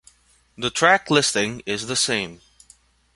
The track listing is the same.